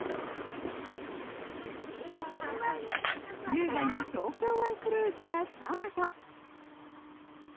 優雅に東京湾クルーズがスタート。